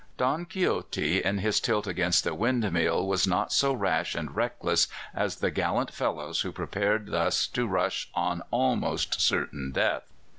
Don Quixote in his tilt against the windmill was not so rash and reckless as the gallant fellows who prepared thus to rush on almost certain death.